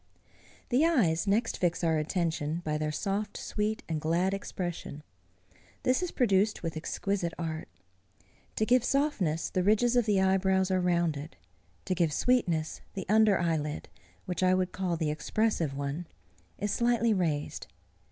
The eyes next fix our attention by their soft, sweet, and glad expression. This is produced with exquisite art. To give softness, the ridges of the eyebrows are rounded. To give sweetness, the under eyelid, which I would call the expressive one, is slightly raised.